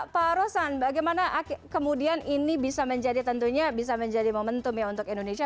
pak rosan bagaimana kemudian ini bisa menjadi tentunya bisa menjadi momentum ya untuk indonesia